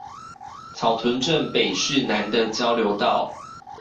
草屯鎮北勢湳的交流道